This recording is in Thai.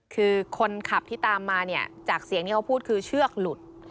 คือคนขับที่ตามมาเนี่ยจากเสียงที่เขาพูดคือเชือกหลุด